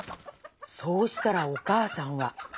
そうしたらおかあさんは。